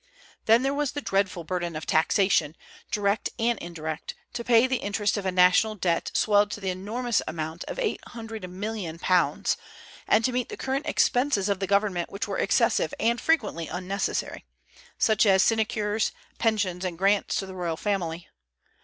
Then there was the dreadful burden of taxation, direct and indirect, to pay the interest of a national debt swelled to the enormous amount of £800,000,000, and to meet the current expenses of the government, which were excessive and frequently unnecessary, such as sinecures, pensions, and grants to the royal family.